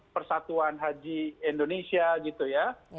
persatuan haji indonesia gitu ya